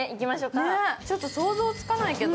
ちょっと想像つかないけど。